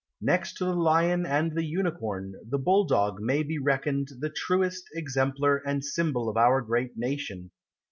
Next to the Lion and the Unicorn The Bulldog may be reckoned The truest Exemplar and symbol Of our great nation.